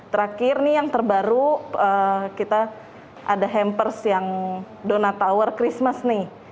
terakhir nih yang terbaru kita ada hampers yang donat tower christmas nih